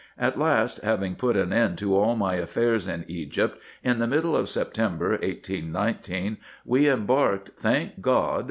At last, having put an end to all my affairs in Egypt, in the middle of September, 1819, we embarked, thank God